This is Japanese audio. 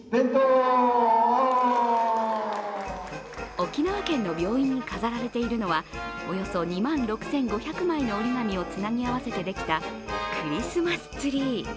沖縄県の病院に飾られているのはおよそ２万６５００枚の折り紙をつなぎ合わせてできたクリスマスツリー。